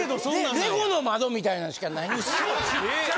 レゴの窓みたいなんしかないねん。